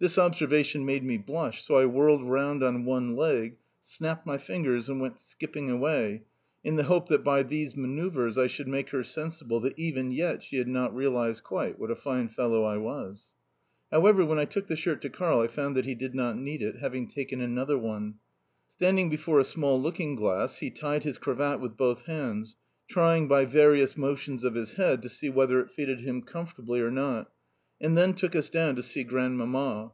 This observation made me blush, so I whirled round on one leg, snapped my fingers, and went skipping away, in the hope that by these manoeuvres I should make her sensible that even yet she had not realised quite what a fine fellow I was. However, when I took the shirt to Karl I found that he did not need it, having taken another one. Standing before a small looking glass, he tied his cravat with both hands trying, by various motions of his head, to see whether it fitted him comfortably or not and then took us down to see Grandmamma.